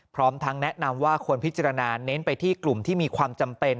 พร้อมทั้งแนะนำว่าควรพิจารณาเน้นไปที่กลุ่มที่มีความจำเป็น